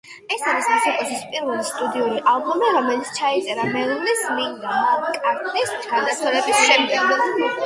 ეს არის მუსიკოსის პირველი სტუდიური ალბომი, რომელიც ჩაიწერა მეუღლის, ლინდა მაკ-კარტნის გარდაცვალების შემდეგ.